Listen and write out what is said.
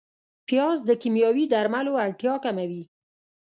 پیاز د کیمیاوي درملو اړتیا کموي